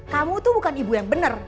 kamu tuh bukan ibu yang benar